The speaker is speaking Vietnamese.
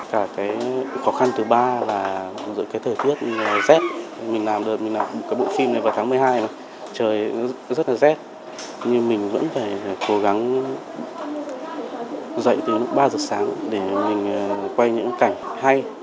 cả cái khó khăn thứ ba là giữa cái thời tiết rét mình làm được cái bộ phim này vào tháng một mươi hai trời rất là rét nhưng mình vẫn phải cố gắng dậy từ ba giờ sáng để mình quay những cảnh hay